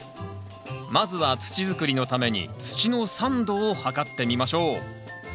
まずは土づくりのために土の酸度を測ってみましょう。